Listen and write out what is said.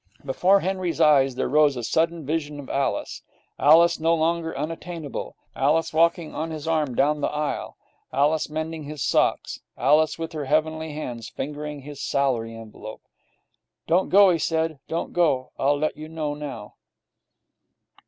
Before Henry's eyes there rose a sudden vision of Alice: Alice no longer unattainable; Alice walking on his arm down the aisle; Alice mending his socks; Alice with her heavenly hands fingering his salary envelope. 'Don't go,' he said. 'Don't go. I'll let you know now.'